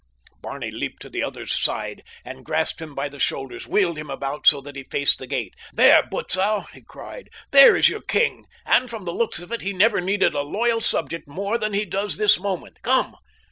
Barney leaped to the other's side and grasping him by the shoulders wheeled him about so that he faced the gate. "There, Butzow," he cried, "there is your king, and from the looks of it he never needed a loyal subject more than he does this moment. Come!"